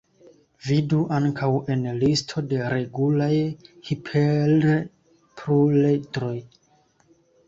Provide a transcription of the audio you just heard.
Vidu ankaŭ en listo de regulaj hiperpluredroj.